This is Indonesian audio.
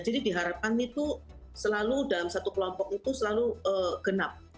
jadi diharapkan itu selalu dalam satu kelompok itu selalu genap